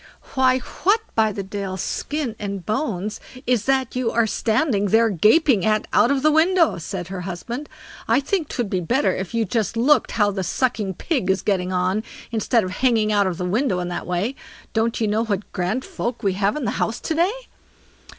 "Why what, by the Deil's skin and bones, is it that you are standing there gaping at out of the window?" said her husband. "I think 'twould be better if you just looked how the sucking pig is getting on, instead of hanging out of window in that way. Don't you know what grand folk we have in the house to day?"